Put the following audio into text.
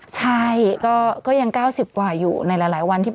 ใช่ก็ยัง๙๐กว่าอยู่ในหลายวันที่